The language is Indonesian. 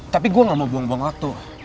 tapi gue gak mau buang buang waktu